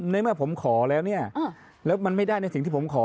ในเมื่อผมขอแล้วเนี่ยแล้วมันไม่ได้ในสิ่งที่ผมขอ